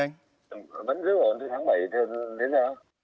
vẫn giữ ổn từ tháng bảy đến giờ